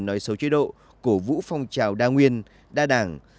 nói xấu chế độ cổ vũ phong trào đa nguyên đa đảng